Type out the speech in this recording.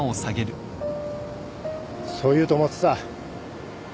そう言うと思ってた。